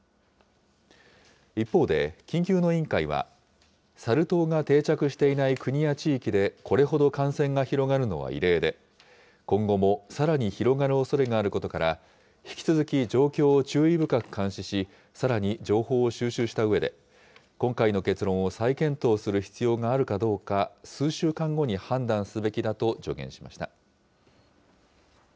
一方で、緊急の委員会は、サル痘が定着していない国や地域でこれほど感染が広がるのは異例で、今後もさらに広がるおそれがあることから、引き続き状況を注意深く監視し、さらに情報を収集したうえで、今回の結論を再検討する必要があるかどうか、数週間後に判断すべきだと助言しました。